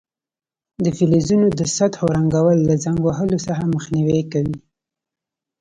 د فلزونو د سطحو رنګول له زنګ وهلو څخه مخنیوی کوي.